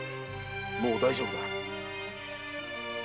もう大丈夫だ。